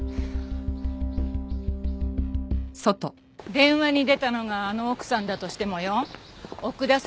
電話に出たのがあの奥さんだとしてもよ奥田彩